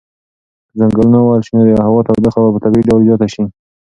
که ځنګلونه ووهل شي نو د هوا تودوخه به په طبیعي ډول زیاته شي.